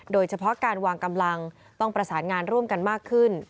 โดยเฉพาะการวางกำลังต้องประสานงานร่วมกันมากขึ้น